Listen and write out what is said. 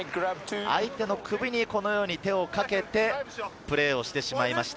相手の首に手をかけて、プレーをしてしまいました。